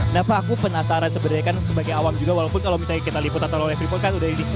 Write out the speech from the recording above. nah pak aku penasaran sebenarnya kan sebagai awam juga walaupun kalau misalnya kita liputan oleh freeport kan udah ini